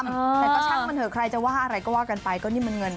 แต่ก็ช่างมันเถอะใครจะว่าอะไรก็ว่ากันไปก็นี่มันเงิน